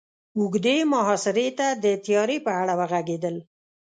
اوږدې محاصرې ته د تياري په اړه وغږېدل.